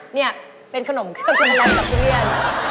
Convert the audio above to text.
นี่เป็นขนมเครื่องชุมพนัทกับทุเรียน